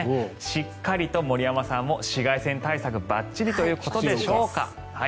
しっかりと森山さんも紫外線対策ばっちりということでしょうか。